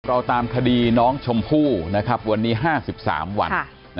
เราตามคดีน้องชมพู่นะครับวันนี้ห้าสิบสามวัน